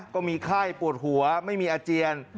ก็มีไข้ปวดหัวไม่มีอาเจียน